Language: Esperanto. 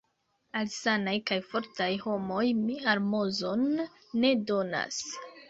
Al sanaj kaj fortaj homoj mi almozon ne donas.